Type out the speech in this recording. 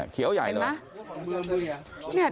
เขียวใหญ่เลย